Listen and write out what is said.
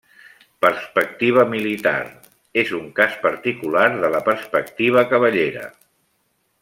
Perspectiva militar, és un cas particular de la perspectiva cavallera.